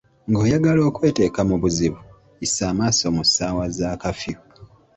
Ng'oyagala okweteeka mu buzibu, yisa amaaso mu ssaawa za kafyu.